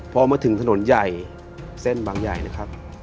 พอมาถึงถนนใหญ่เส้นบางใหญ่นะครับ